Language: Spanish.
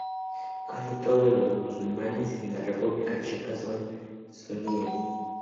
Casi todos los musulmanes en la República Checa son sunníes.